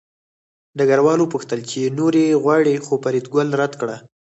ډګروال وپوښتل چې نورې غواړې خو فریدګل رد کړه